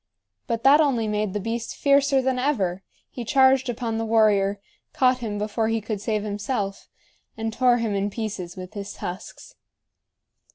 But that only made the beast fiercer than ever; he charged upon the warrior, caught him before he could save himself, and tore him in pieces with his tusks.